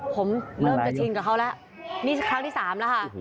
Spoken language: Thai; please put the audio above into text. ผมเริ่มจะชินกับเค้าแล้วนี่คลั้งที่๓นะคะ